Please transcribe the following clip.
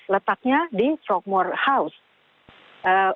letaknya di frogmore house